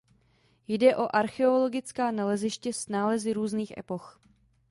Jde o archeologická naleziště s nálezy z různých epoch.